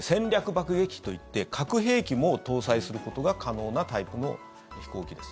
爆撃機といって核兵器も搭載することが可能なタイプの飛行機です。